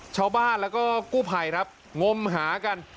ชาวบ้านแล้วก็กู้ภัยครับงมหากัน